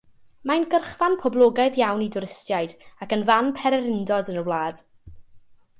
Mae'n gyrchfan poblogaidd iawn i dwristiaid ac yn fan pererindod yn y wlad.